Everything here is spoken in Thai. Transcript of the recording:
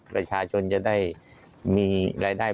ประชาชนจะได้มีรายได้